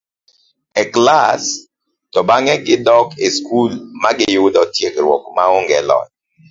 e klas, to bang'e gidok e skul ma giseyudo tiegruok maonge lony